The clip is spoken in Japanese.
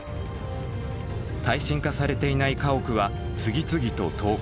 耐震化されていない家屋は次々と倒壊。